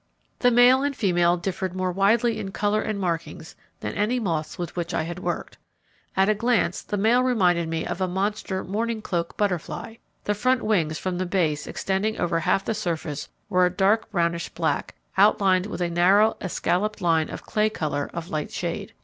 The male and female differed more widely in colour and markings than any moths with which I had worked. At a glance, the male reminded me of a monster Mourning Cloak butterfly. The front wings from the base extending over half the surface were a dark brownish black, outlined with a narrow escalloped line of clay colour of light shade.